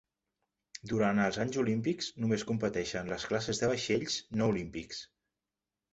Durant els anys olímpics, només competeixen les classes de vaixells no olímpics.